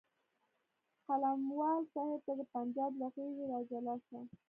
قلموال صاحب ته د پنجاب له غېږې راجلا شه.